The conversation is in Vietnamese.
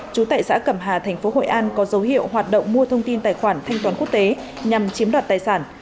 chú tại xã cẩm hà thành phố hội an có dấu hiệu hoạt động mua thông tin tài khoản thanh toán quốc tế nhằm chiếm đoạt tài sản